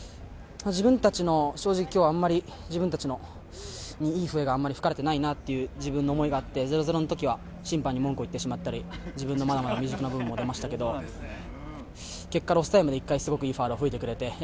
正直、今日はあんまり自分たちにいい笛が吹かれてないなっていう自分の思いがあって０−０の時は審判に文句を言ってしまったり自分のまだまだ未熟な部分も出ましたが結果、ロスタイムで１回すごくいいファウルは吹いてくれて。